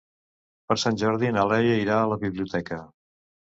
Per Sant Jordi na Laia irà a la biblioteca.